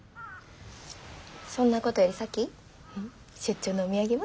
そんなことより沙樹出張のお土産は？